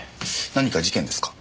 何か事件ですか？